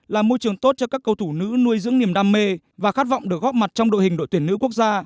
là môi trường tốt cho các cầu thủ nữ nuôi dưỡng niềm đam mê và khát vọng được góp mặt trong đội hình đội tuyển nữ quốc gia